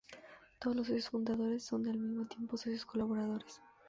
Todos los socios fundadores son, al mismo tiempo, socios colaboradores.